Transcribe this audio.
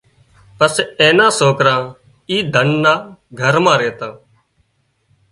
پسي اين نا سوڪرا اي ڌنَ نا گھر مان ريتا